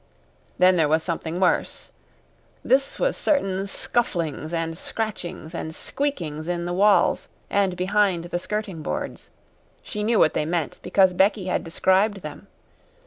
Then there was something worse. This was certain scufflings and scratchings and squeakings in the walls and behind the skirting boards. She knew what they meant, because Becky had described them.